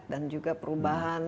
dan juga perubahan